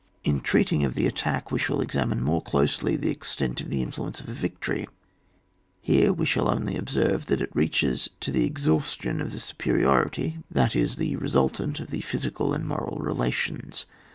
In treating of the attack, we shall examine more closely the extent of the influence of a victory; here we shall only observe that it reaches to the exhaustion of the superiority, that is, the resultant of the physical and moral relations.